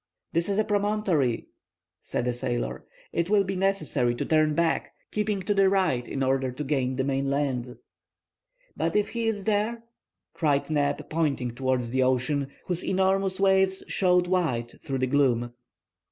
"This is a promontory," said the sailor, "and it will be necessary to turn back, keeping to the right in order to gain the main land." "But if he is there!" cried Neb, pointing towards the ocean, whose enormous waves showed white through the gloom.